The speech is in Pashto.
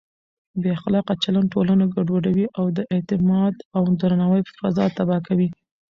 بې اخلاقه چلند ټولنه ګډوډوي او د اعتماد او درناوي فضا تباه کوي.